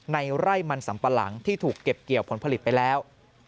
ในไร่มันสัมปะหลังที่ถูกเก็บเกี่ยวผลผลิตไปแล้ว